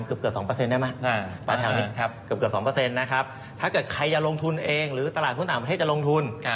เกือบ๒ได้ไหมถ้าเกิดใครจะลงทุนเองหรือตลาดหุ้นต่างประเทศจะลงทุน